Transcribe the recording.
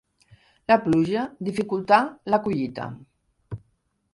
La pluja dificultà la collita.